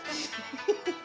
フフフフ！